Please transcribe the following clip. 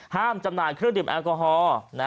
จำหน่ายเครื่องดื่มแอลกอฮอล์